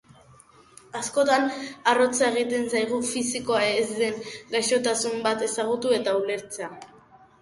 Askotan arrotza egiten zaigu fisikoa ez den gaixotasun bat ezagutu eta ulertzea.